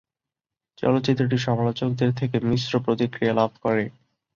চলচ্চিত্রটি সমালোচকদের থেকে মিশ্র প্রতিক্রিয়া লাভ করে।